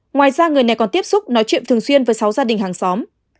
ngoài ra người này còn tiếp xúc nói chuyện thường xuyên với sáu gia đình hàng xóm